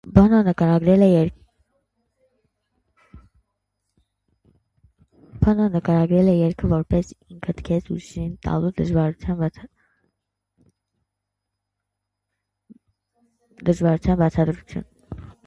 Բոնոն նկարագրել է երգը որպես ինքդ քեզ ուրիշին տալու դժվարության բացատրություն։